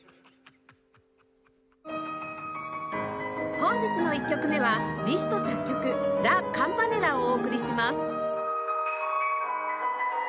本日の１曲目はリスト作曲『ラ・カンパネラ』をお送りします